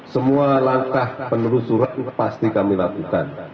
semua langkah penelusuran pasti kami lakukan